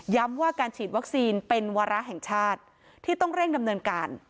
ว่าการฉีดวัคซีนเป็นวาระแห่งชาติที่ต้องเร่งดำเนินการ